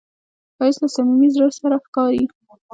ښایست له صمیمي زړه سره ښکاري